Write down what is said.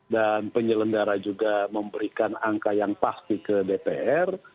dan penyelenggara juga memberikan angka yang pasti ke dpr